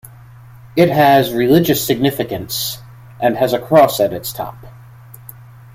It has religious significance, and has a cross at its top.